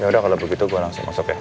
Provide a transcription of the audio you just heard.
yaudah kalo begitu gua langsung masuk ya